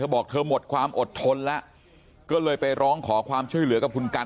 บอกเธอหมดความอดทนแล้วก็เลยไปร้องขอความช่วยเหลือกับคุณกัน